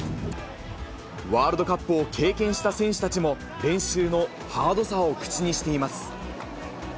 ワールドカップを経験した選手たちも、練習のハードさを口にしています。